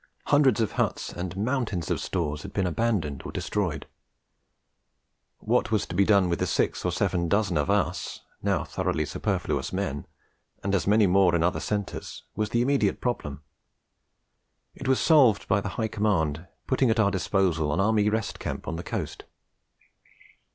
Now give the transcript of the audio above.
Hundreds of huts and mountains of stores had been abandoned or destroyed. What was to be done with the six or seven dozen of us, now thoroughly superfluous men (and as many more in other centres), was the immediate problem. It was solved by the High Command putting at our disposal an Army rest camp on the coast.